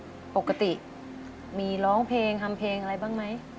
ปกติมีร้องเพลงทำเพลงอะไรบ้างไหม